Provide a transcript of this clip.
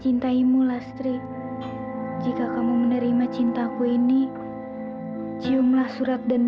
itu pasti dari mas ureng